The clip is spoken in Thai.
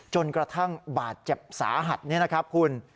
จนกระทั่งบาดเจ็บสาหัสนี่นะครับคุณ